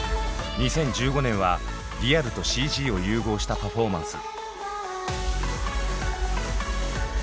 ２０１５年はリアルとＣＧを融合したパフォーマンス。